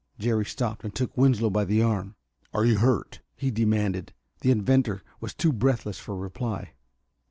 Jerry stopped and took Winslow by the arm. "Are you hurt?" he demanded. The inventor was too breathless for reply.